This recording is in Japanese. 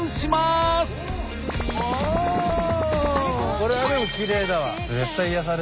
これはでもきれいだわ。